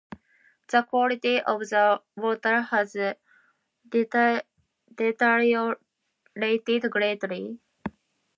The quality of the water has deteriorated greatly.